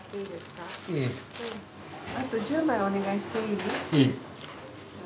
あと１０枚お願いしていい？いい。